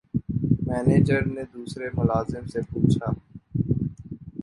manager نے دوسرے ملازم سے پوچھا